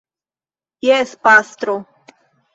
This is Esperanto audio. Jes, pastro.